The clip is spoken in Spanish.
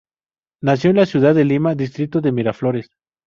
Nació en la ciudad de Lima, distrito de Miraflores.